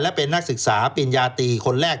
และเป็นนักศึกษาปริญญาตีคนแรก